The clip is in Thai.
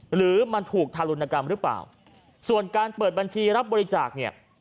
หรือมันถูกทารุณกรรมหรือเปล่าส่วนการเปิดบัญชีรับบริจาคเนี่ย